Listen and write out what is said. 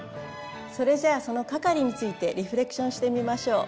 それじゃあその係についてリフレクションしてみましょう。